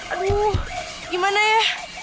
aduh gimana ya